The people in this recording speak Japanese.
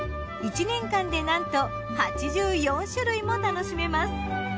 １年間でなんと８４種類も楽しめます。